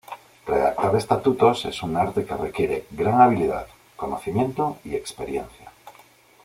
Redactar estatutos es un arte que requiere "gran habilidad, conocimiento y experiencia".